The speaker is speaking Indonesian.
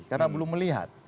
karena belum melihat